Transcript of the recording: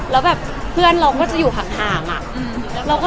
แล้วแบบเพื่อนเราก็จะอยู่ห่างอะ